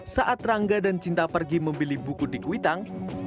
saat rangga dan cinta pergi memilih buku di kuitang